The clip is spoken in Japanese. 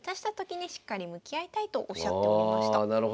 あなるほど。